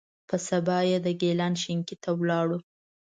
په سبا یې د ګیلان شینکۍ ته ولاړو.